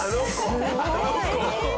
すごい。